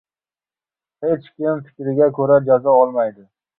Hech kim fikriga ko‘ra jazo olmaydi.